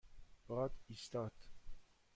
باد ایستاد.